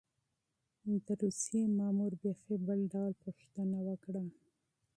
د روسيې مامور بېخي بل ډول پوښتنه وکړه.